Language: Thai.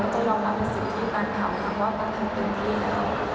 แล้วก็ยอมรับเป็นสิ่งที่ตามทำว่าตามทำเป็นที่แล้ว